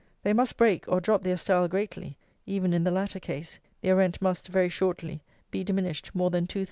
They must break, or drop their style greatly; even in the latter case, their rent must, very shortly, be diminished more than two thirds.